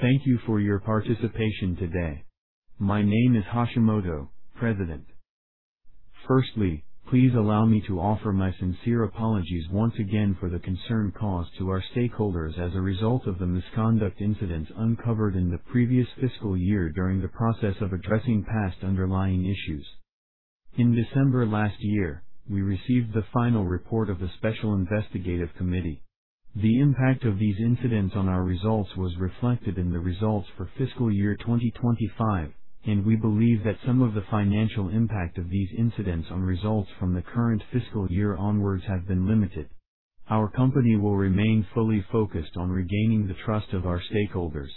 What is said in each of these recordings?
Thank you for your participation today. My name is Hashimoto, President. Please allow me to offer my sincere apologies once again for the concern caused to our stakeholders as a result of the misconduct incidents uncovered in the previous fiscal year during the process of addressing past underlying issues. In December last year, we received the final report of the Special Investigative Committee. The impact of these incidents on our results was reflected in the results for fiscal year 2025. We believe that some of the financial impact of these incidents on results from the current fiscal year onwards have been limited. Our company will remain fully focused on regaining the trust of our stakeholders.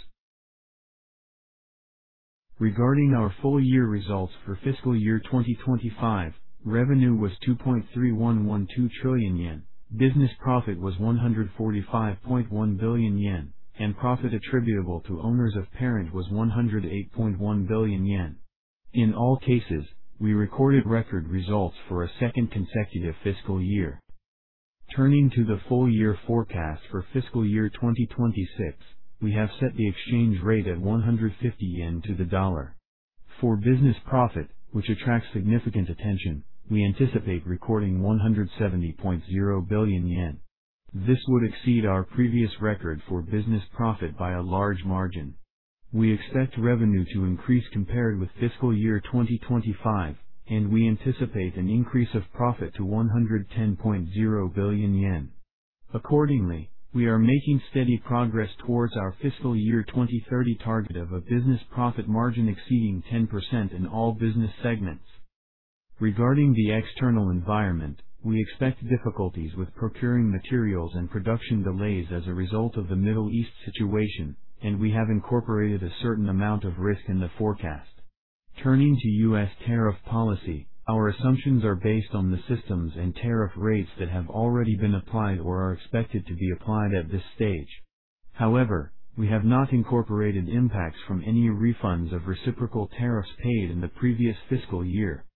Regarding our full year results for fiscal year 2025, revenue was 2.3112 trillion yen, business profit was 145.1 billion yen, and profit attributable to owners of parent was 108.1 billion yen. In all cases, we recorded record results for a second consecutive fiscal year. Turning to the full year forecast for fiscal year 2026, we have set the exchange rate at 150 yen to the dollar. For business profit, which attracts significant attention, we anticipate recording 170.0 billion yen. This would exceed our previous record for business profit by a large margin. We expect revenue to increase compared with fiscal year 2025, and we anticipate an increase of profit to 110.0 billion yen. Accordingly, we are making steady progress towards our fiscal year 2030 target of a business profit margin exceeding 10% in all business segments. Regarding the external environment, we expect difficulties with procuring materials and production delays as a result of the Middle East situation, and we have incorporated a certain amount of risk in the forecast. Turning to US tariff policy, our assumptions are based on the systems and tariff rates that have already been applied or are expected to be applied at this stage. We have not incorporated impacts from any refunds of reciprocal tariffs paid in the previous fiscal year.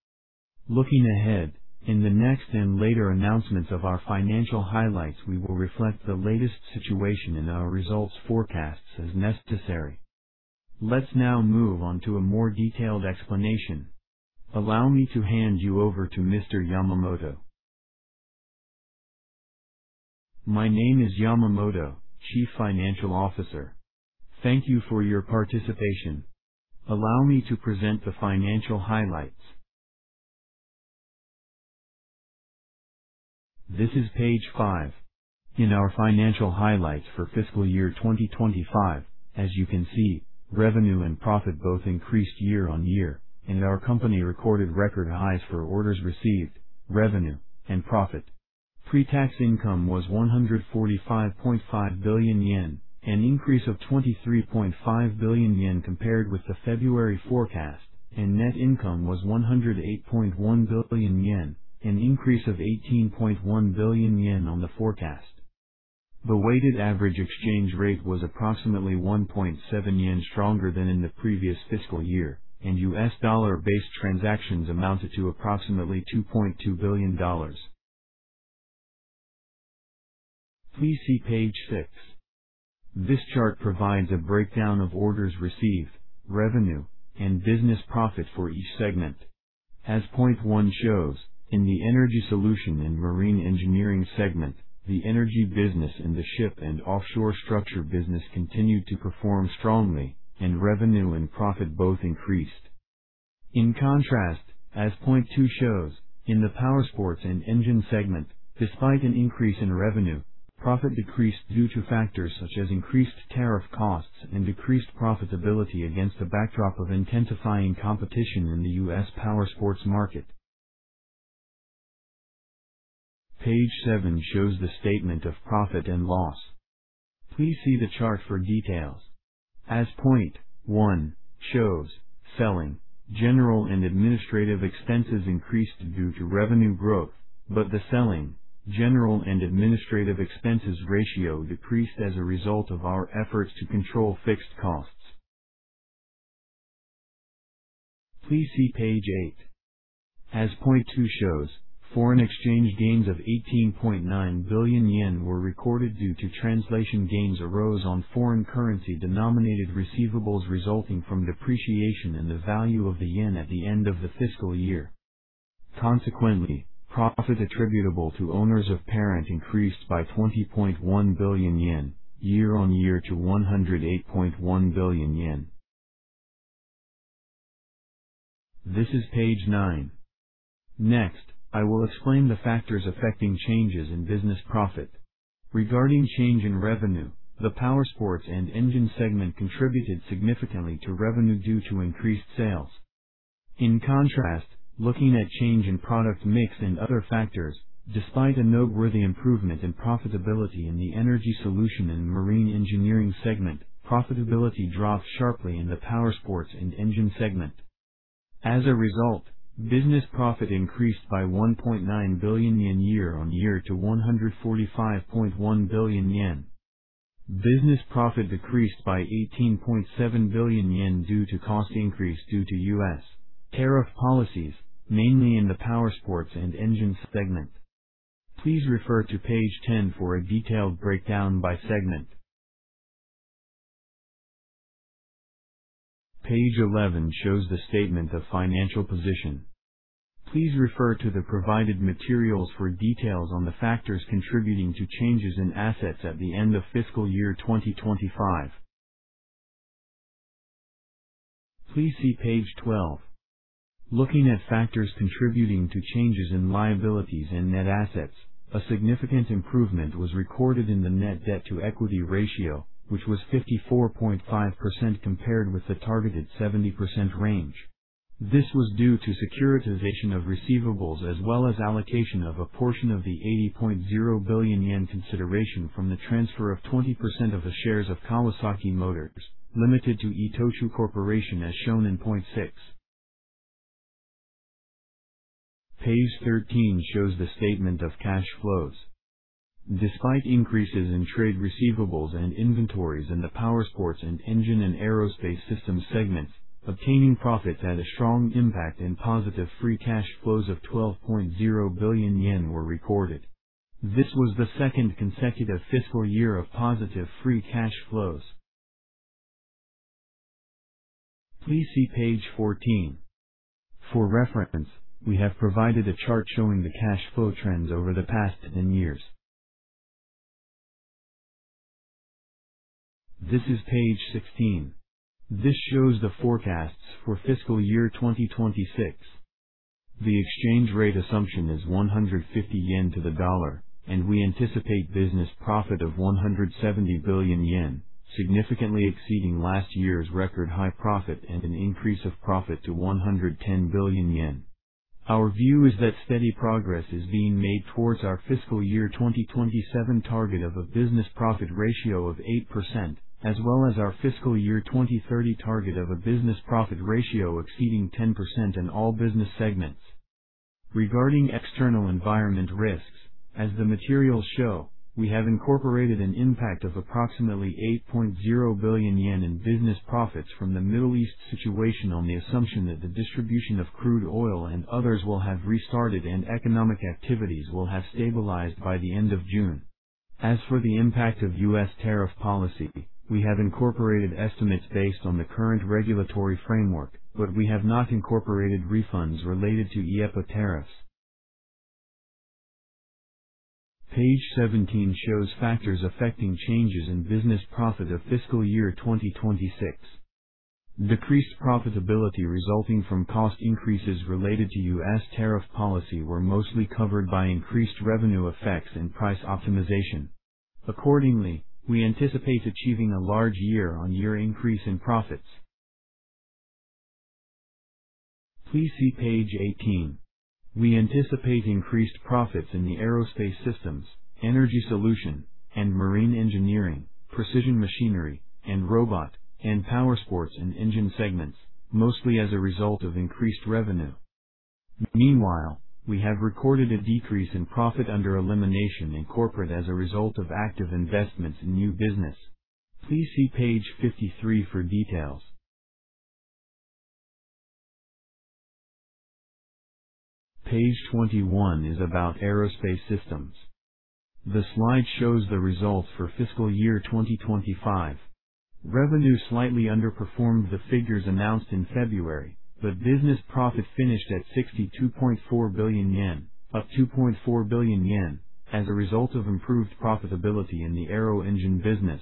Looking ahead, in the next and later announcements of our financial highlights, we will reflect the latest situation in our results forecasts as necessary. Let's now move on to a more detailed explanation. Allow me to hand you over to Mr. Yamamoto. My name is Yamamoto, Chief Financial Officer. Thank you for your participation. Allow me to present the financial highlights. This is page five. In our financial highlights for fiscal year 2025, as you can see, revenue and profit both increased year-on-year, and our company recorded record highs for orders received, revenue, and profit. Pre-tax income was 145.5 billion yen, an increase of 23.5 billion yen compared with the February forecast, and net income was 108.1 billion yen, an increase of 18.1 billion yen on the forecast. The weighted average exchange rate was approximately 1.7 yen stronger than in the previous fiscal year, and US dollar-based transactions amounted to approximately $2.2 billion. Please see page six. This chart provides a breakdown of orders received, revenue, and business profit for each segment. As point one shows, in the Energy Solution & Marine Engineering segment, the energy business and the ship and offshore structure business continued to perform strongly, and revenue and profit both increased. In contrast, as point two shows, in the Powersports & Engine segment, despite an increase in revenue, profit decreased due to factors such as increased tariff costs and decreased profitability against a backdrop of intensifying competition in the US Powersports market. Page seven shows the statement of profit and loss. Please see the chart for details. As point one shows, selling, general and administrative expenses increased due to revenue growth, but the selling, general and administrative expenses ratio decreased as a result of our efforts to control fixed costs. Please see page eight. As point two shows, foreign exchange gains of 18.9 billion yen were recorded due to translation gains arose on foreign currency denominated receivables resulting from depreciation in the value of the yen at the end of the fiscal year. Consequently, profit attributable to owners of parent increased by 20.1 billion yen, year-on-year to 108.1 billion yen. This is page nine. Next, I will explain the factors affecting changes in business profit. Regarding change in revenue, the Powersports & Engine segment contributed significantly to revenue due to increased sales. In contrast, looking at change in product mix and other factors, despite a noteworthy improvement in profitability in the Energy Solution & Marine Engineering segment, profitability dropped sharply in the Powersports & Engine segment. As a result, business profit increased by 1.9 billion yen year on year to 145.1 billion yen. Business profit decreased by 18.7 billion yen due to cost increase due to US tariff policies, mainly in the Powersports & Engine segment. Please refer to page 10 for a detailed breakdown by segment. Page 11 shows the statement of financial position. Please refer to the provided materials for details on the factors contributing to changes in assets at the end of FY 2025. Please see page 12. Looking at factors contributing to changes in liabilities and net assets, a significant improvement was recorded in the net debt-to-equity ratio, which was 54.5% compared with the targeted 70% range. This was due to securitization of receivables as well as allocation of a portion of the 80.0 billion yen consideration from the transfer of 20% of the shares of Kawasaki Motors, Ltd. to ITOCHU Corporation as shown in point six. Page 13 shows the statement of cash flows. Despite increases in trade receivables and inventories in the Powersports & Engine and Aerospace Systems segments, obtaining profits had a strong impact and positive free cash flows of 12.0 billion yen were recorded. This was the second consecutive fiscal year of positive free cash flows. Please see page 14. For reference, we have provided a chart showing the cash flow trends over the past 10 years. This is page 16. This shows the forecasts for fiscal year 2026. The exchange rate assumption is 150 yen to the dollar, and we anticipate business profit of 170 billion yen, significantly exceeding last year's record high profit and an increase of profit to 110 billion yen. Our view is that steady progress is being made towards our fiscal year 2027 target of a business profit ratio of 8%, as well as our fiscal year 2030 target of a business profit ratio exceeding 10% in all business segments. Regarding external environment risks, as the materials show, we have incorporated an impact of approximately 8.0 billion yen in business profits from the Middle East situation on the assumption that the distribution of crude oil and others will have restarted and economic activities will have stabilized by the end of June. As for the impact of US tariff policy, we have incorporated estimates based on the current regulatory framework, but we have not incorporated refunds related to IEEPA tariffs. Page 17 shows factors affecting changes in business profit of fiscal year 2026. Decreased profitability resulting from cost increases related to US tariff policy were mostly covered by increased revenue effects and price optimization. Accordingly, we anticipate achieving a large year-on-year increase in profits. Please see page 18. We anticipate increased profits in the Aerospace Systems, Energy Solution & Marine Engineering, Precision Machinery & Robot, and Powersports & Engine segments, mostly as a result of increased revenue. Meanwhile, we have recorded a decrease in profit under elimination in Corporate as a result of active investments in new business. Please see page 53 for details. Page 21 is about Aerospace Systems. The slide shows the results for fiscal year 2025. Revenue slightly underperformed the figures announced in February, but business profit finished at 62.4 billion yen, up 2.4 billion yen, as a result of improved profitability in the aero engine business.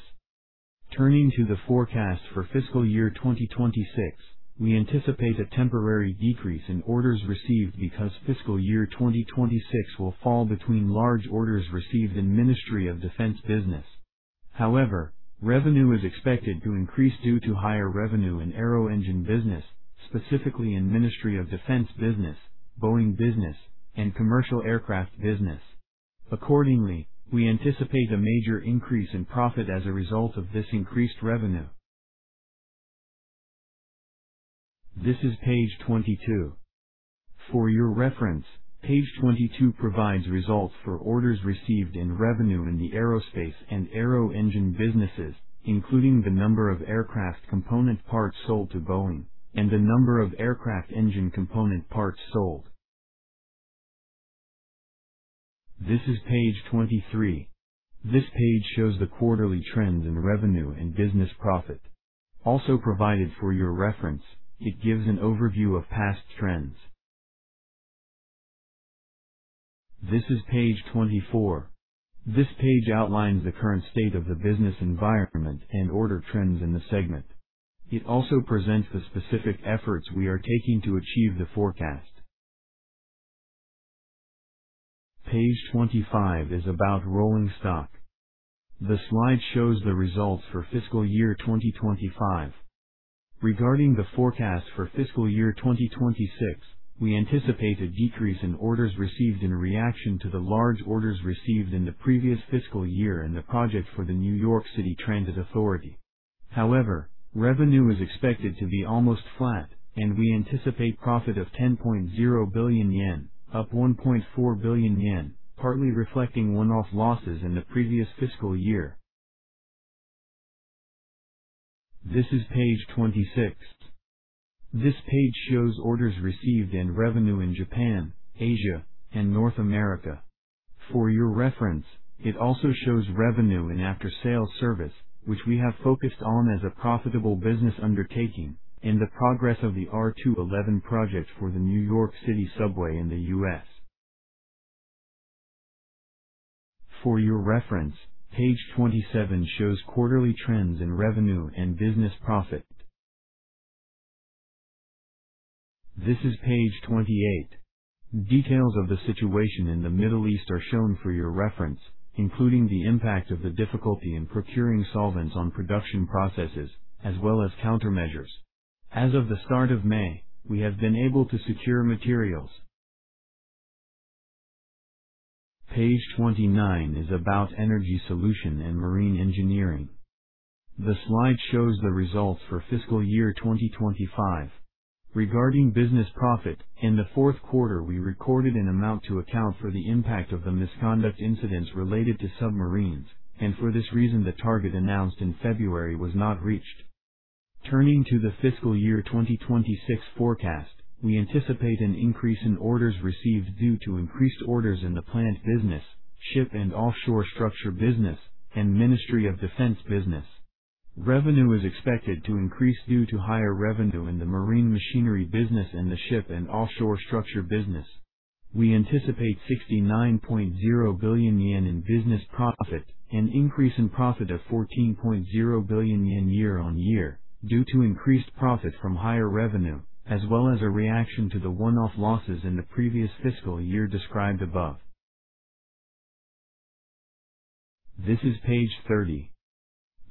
Turning to the forecast for fiscal year 2026, we anticipate a temporary decrease in orders received because fiscal year 2026 will fall between large orders received in Ministry of Defense business. However, revenue is expected to increase due to higher revenue in aero engine business, specifically in Ministry of Defense business, Boeing business, and commercial aircraft business. Accordingly, we anticipate a major increase in profit as a result of this increased revenue. This is page 22. For your reference, page 22 provides results for orders received and revenue in the Aerospace Systems and aero engine businesses, including the number of aircraft component parts sold to Boeing and the number of aircraft engine component parts sold. This is page 23. This page shows the quarterly trends in revenue and business profit. Also provided for your reference, it gives an overview of past trends. This is page 24. This page outlines the current state of the business environment and order trends in the segment. It also presents the specific efforts we are taking to achieve the forecast. Page 25 is about Rolling Stock. The slide shows the results for fiscal year 2025. Regarding the forecast for fiscal year 2026, we anticipate a decrease in orders received in reaction to the large orders received in the previous fiscal year and the project for the New York City Transit Authority. However, revenue is expected to be almost flat, and we anticipate profit of 10.0 billion yen, up 1.4 billion yen, partly reflecting one-off losses in the previous fiscal year. This is page 26. This page shows orders received and revenue in Japan, Asia, and North America. For your reference, it also shows revenue and after-sales service, which we have focused on as a profitable business undertaking and the progress of the R211 project for the New York City Subway in the U.S. For your reference, page 27 shows quarterly trends in revenue and business profit. This is page 28. Details of the situation in the Middle East are shown for your reference, including the impact of the difficulty in procuring solvents on production processes, as well as countermeasures. As of the start of May, we have been able to secure materials. Page 29 is about Energy Solution & Marine Engineering. The slide shows the results for fiscal year 2025. Regarding business profit, in the fourth quarter, we recorded an amount to account for the impact of the misconduct incidents related to submarines. For this reason, the target announced in February was not reached. Turning to the fiscal year 2026 forecast, we anticipate an increase in orders received due to increased orders in the plant business, ship and offshore structure business, and Ministry of Defense business. Revenue is expected to increase due to higher revenue in the marine machinery business and the ship and offshore structure business. We anticipate 69.0 billion yen in business profit, an increase in profit of 14.0 billion yen year-on-year due to increased profit from higher revenue, as well as a reaction to the one-off losses in the previous fiscal year described above. This is page 30.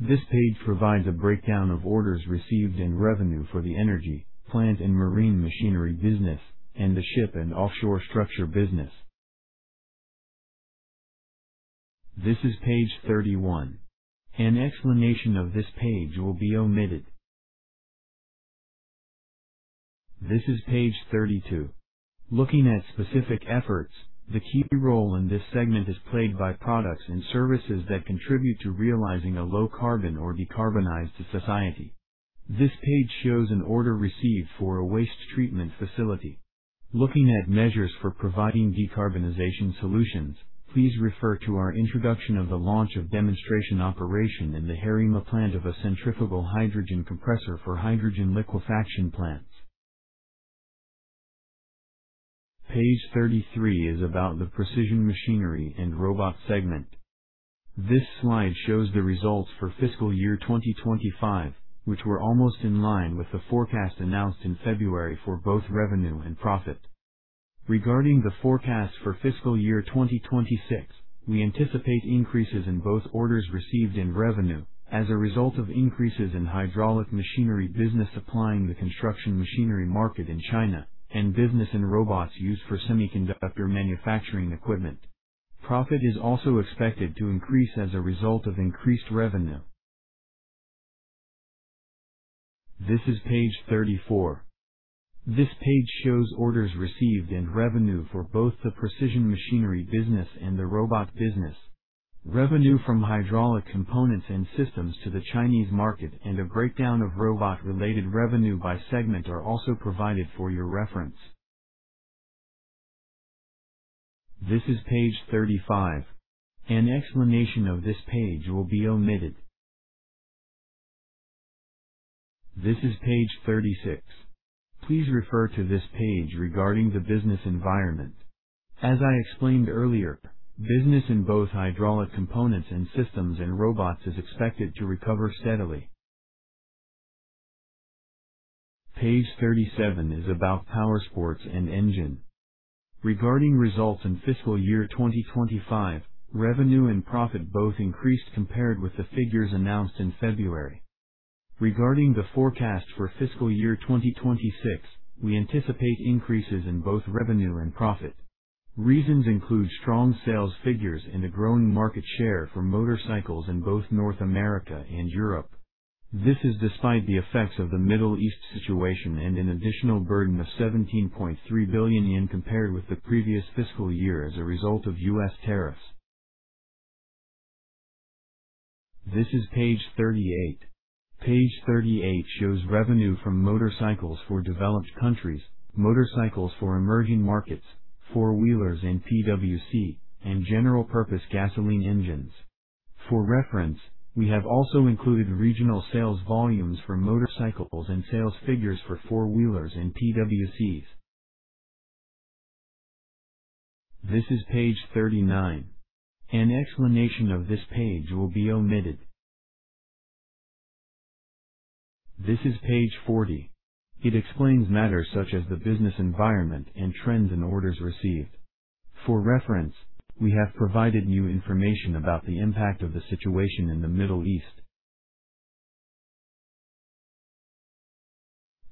This page provides a breakdown of orders received and revenue for the energy, plant and marine machinery business, and the ship and offshore structure business. This is page 31. An explanation of this page will be omitted. This is page 32. Looking at specific efforts, the key role in this segment is played by products and services that contribute to realizing a low carbon or decarbonized society. This page shows an order received for a waste treatment facility. Looking at measures for providing decarbonization solutions, please refer to our introduction of the launch of demonstration operation in the Harima plant of a centrifugal hydrogen compressor for hydrogen liquefaction plants. Page 33 is about the Precision Machinery & Robot segment. This slide shows the results for fiscal year 2025, which were almost in line with the forecast announced in February for both revenue and profit. Regarding the forecast for fiscal year 2026, we anticipate increases in both orders received and revenue as a result of increases in hydraulic machinery business supplying the construction machinery market in China and business and robots used for semiconductor manufacturing equipment. Profit is also expected to increase as a result of increased revenue. This is page 34. This page shows orders received and revenue for both the Precision Machinery business and the Robot business. Revenue from hydraulic components and systems to the Chinese market and a breakdown of robot-related revenue by segment are also provided for your reference. This is page 35. An explanation of this page will be omitted. This is page 36. Please refer to this page regarding the business environment. As I explained earlier, business in both hydraulic components and systems and robots is expected to recover steadily. Page 37 is about Powersports & Engine. Regarding results in fiscal year 2025, revenue and profit both increased compared with the figures announced in February. Regarding the forecast for fiscal year 2026, we anticipate increases in both revenue and profit. Reasons include strong sales figures and a growing market share for motorcycles in both North America and Europe. This is despite the effects of the Middle East situation and an additional burden of 17.3 billion yen compared with the previous fiscal year as a result of US tariffs. This is page 38. Page 38 shows revenue from motorcycles for developed countries, motorcycles for emerging markets, four wheelers and PWC, and general-purpose gasoline engines. For reference, we have also included regional sales volumes for motorcycles and sales figures for four wheelers and PWCs. This is page 39. An explanation of this page will be omitted. This is page 40. It explains matters such as the business environment and trends in orders received. For reference, we have provided new information about the impact of the situation in the Middle East.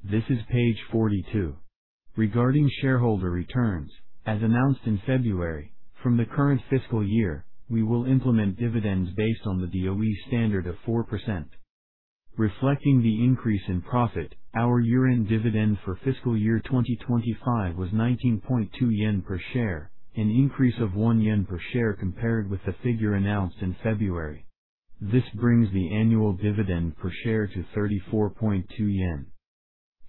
This is page 42. Regarding shareholder returns, as announced in February, from the current fiscal year, we will implement dividends based on the DOE standard of 4%. Reflecting the increase in profit, our year-end dividend for fiscal year 2025 was 19.2 yen per share, an increase of 1 yen per share compared with the figure announced in February. This brings the annual dividend per share to 34.2 yen.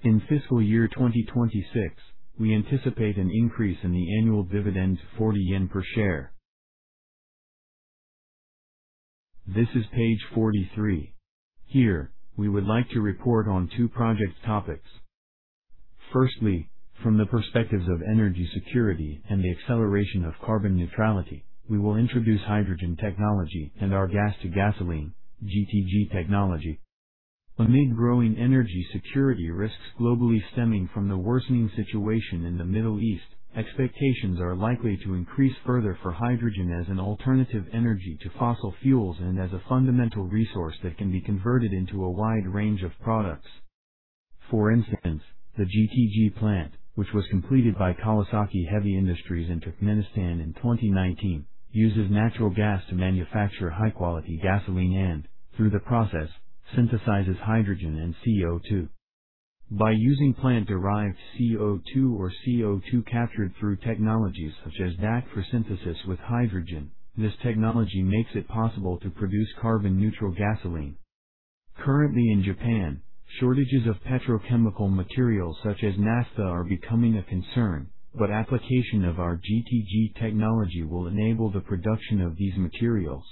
In fiscal year 2026, we anticipate an increase in the annual dividend to 40 yen per share. This is page 43. Here, we would like to report on two project topics. Firstly, from the perspectives of energy security and the acceleration of carbon neutrality, we will introduce hydrogen technology and our gas-to-gasoline GTG technology. Amid growing energy security risks globally stemming from the worsening situation in the Middle East, expectations are likely to increase further for hydrogen as an alternative energy to fossil fuels and as a fundamental resource that can be converted into a wide range of products. For instance, the GTG plant, which was completed by Kawasaki Heavy Industries in Turkmenistan in 2019, uses natural gas to manufacture high-quality gasoline and through the process synthesizes hydrogen and CO2. By using plant-derived CO2 or CO2 captured through technology such as DAC for synthesis with hydrogen, this technology makes it possible to produce carbon neutral gasoline. Currently in Japan, shortages of petrochemical materials such as naphtha are becoming a concern. Application of our GTG technology will enable the production of these materials.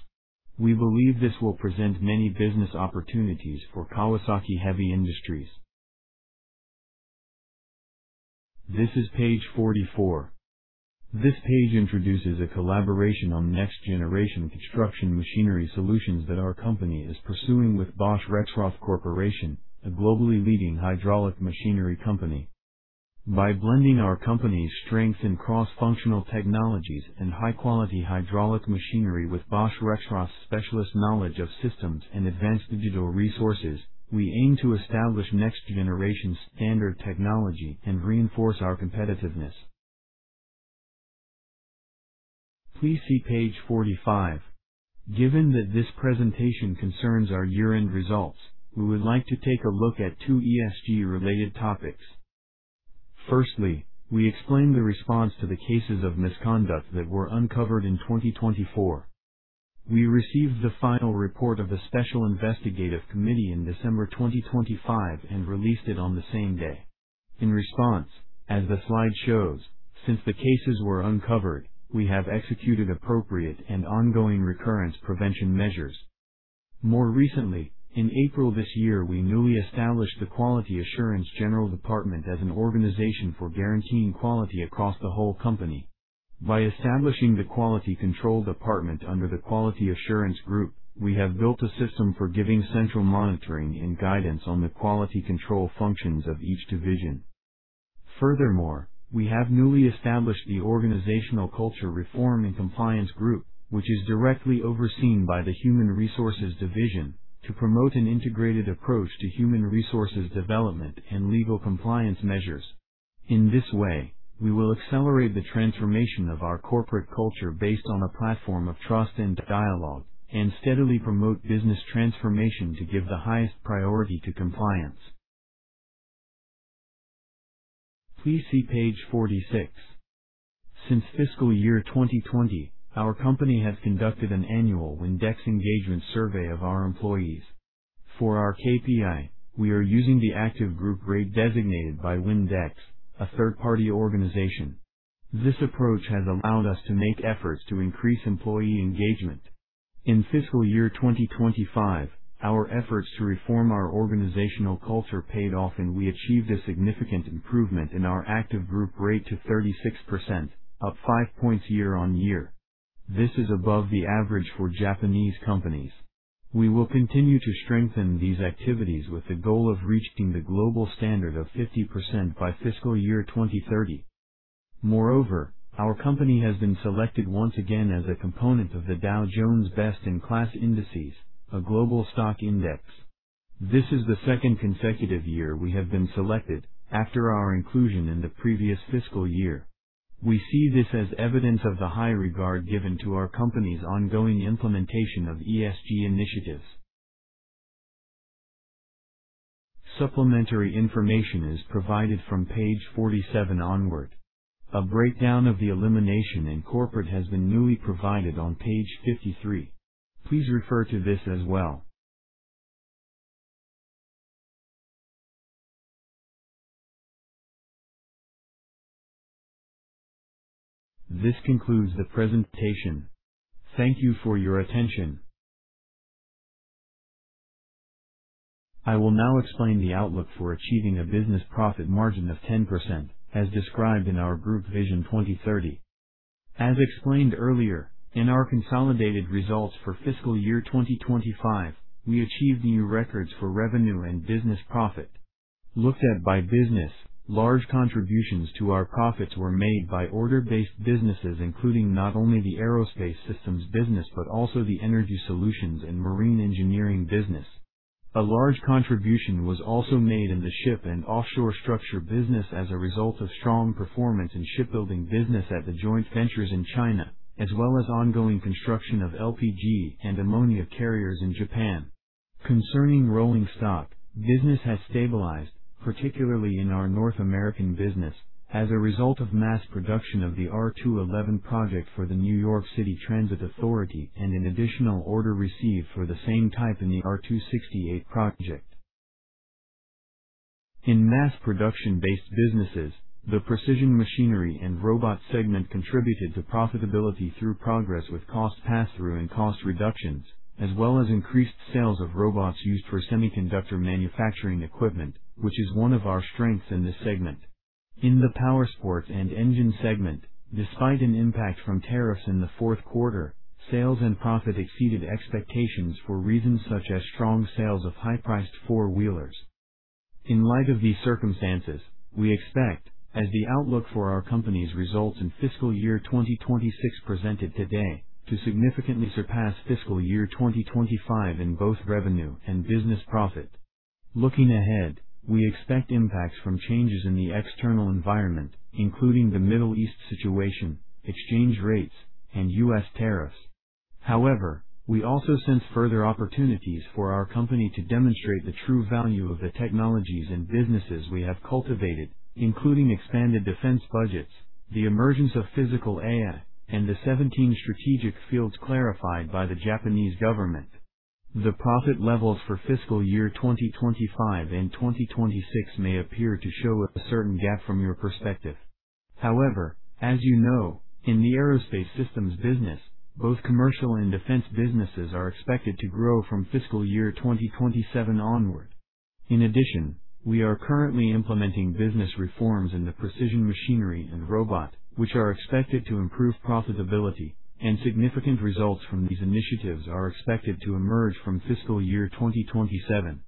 We believe this will present many business opportunities for Kawasaki Heavy Industries. This is page 44. This page introduces a collaboration on next generation construction machinery solutions that our company is pursuing with Bosch Rexroth Corporation, a globally leading hydraulic machinery company. By blending our company's strength in cross-functional technologies and high-quality hydraulic machinery with Bosch Rexroth's specialist knowledge of systems and advanced digital resources, we aim to establish next generation standard technology and reinforce our competitiveness. Please see page 45. Given that this presentation concerns our year-end results, we would like to take a look at two ESG related topics. Firstly, we explain the response to the cases of misconduct that were uncovered in 2024. We received the final report of the Special Investigative Committee in December 2025 and released it on the same day. In response, as the slide shows, since the cases were uncovered, we have executed appropriate and ongoing recurrence prevention measures. More recently, in April this year, we newly established the Quality Assurance General Department as an organization for guaranteeing quality across the whole company. By establishing the quality control department under the quality assurance group, we have built a system for giving central monitoring and guidance on the quality control functions of each division. Furthermore, we have newly established the Organizational Culture Reform and Compliance Group, which is directly overseen by the Human Resources Division to promote an integrated approach to human resources development and legal compliance measures. In this way, we will accelerate the transformation of our corporate culture based on a platform of trust and dialogue, and steadily promote business transformation to give the highest priority to compliance. Please see page 46. Since fiscal year 2020, our company has conducted an annual WinDEX engagement survey of our employees. For our KPI, we are using the active group rate designated by WinDEX, a third-party organization. This approach has allowed us to make efforts to increase employee engagement. In fiscal year 2025, our efforts to reform our organizational culture paid off, and we achieved a significant improvement in our active group rate to 36%, up five points year-on-year. This is above the average for Japanese companies. We will continue to strengthen these activities with the goal of reaching the global standard of 50% by fiscal year 2030. Moreover, our company has been selected once again as a component of the Dow Jones Best-in-Class Indices, a global stock index. This is the second consecutive year we have been selected after our inclusion in the previous fiscal year. We see this as evidence of the high regard given to our company's ongoing implementation of ESG initiatives. Supplementary information is provided from page 47 onward. A breakdown of the elimination in corporate has been newly provided on page 53. Please refer to this as well. This concludes the presentation. Thank you for your attention. I will now explain the outlook for achieving a business profit margin of 10%, as described in our Group Vision 2030. As explained earlier, in our consolidated results for fiscal year 2025, we achieved new records for revenue and business profit. Looked at by business, large contributions to our profits were made by order-based businesses, including not only the Aerospace Systems business but also the Energy Solution and Marine Engineering business. A large contribution was also made in the ship and offshore structure business as a result of strong performance in shipbuilding business at the joint ventures in China, as well as ongoing construction of LPG and ammonia carriers in Japan. Concerning Rolling Stock, business has stabilized, particularly in our North American business as a result of mass production of the R211 project for the New York City Transit Authority and an additional order received for the same type in the R268 project. In mass production-based businesses, the Precision Machinery & Robot segment contributed to profitability through progress with cost passthrough and cost reductions, as well as increased sales of robots used for semiconductor manufacturing equipment, which is one of our strengths in this segment. In the Powersports & Engine segment, despite an impact from tariffs in the fourth quarter, sales and profit exceeded expectations for reasons such as strong sales of high-priced four-wheelers. In light of these circumstances, we expect, as the outlook for our company's results in fiscal year 2026 presented today, to significantly surpass fiscal year 2025 in both revenue and business profit. Looking ahead, we expect impacts from changes in the external environment, including the Middle East situation, exchange rates, and US tariffs. However, we also sense further opportunities for our company to demonstrate the true value of the technologies and businesses we have cultivated, including expanded defense budgets, the emergence of physical AI, and the 17 strategic fields clarified by the Japanese government. The profit levels for fiscal year 2025 and 2026 may appear to show a certain gap from your perspective. However, as you know, in the Aerospace Systems business, both commercial and defense businesses are expected to grow from fiscal year 2027 onward. In addition, we are currently implementing business reforms in the Precision Machinery & Robot, which are expected to improve profitability, and significant results from these initiatives are expected to emerge from fiscal year 2027.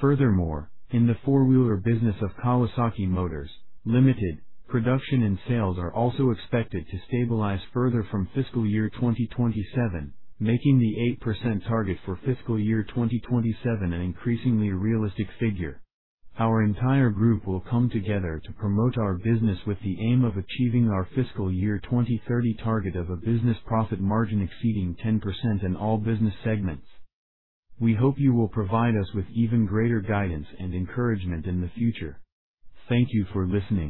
Furthermore, in the four wheeler business of Kawasaki Motors, Ltd., production and sales are also expected to stabilize further from fiscal year 2027, making the 8% target for fiscal year 2027 an increasingly realistic figure. Our entire group will come together to promote our business with the aim of achieving our fiscal year 2030 target of a business profit margin exceeding 10% in all business segments. We hope you will provide us with even greater guidance and encouragement in the future. Thank you for listening.